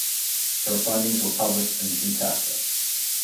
Her findings were published in Zootaxa.